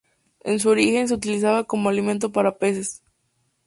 En su origen se utilizaban como alimento para peces.